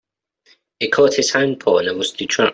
It caught its hind paw in a rusty trap.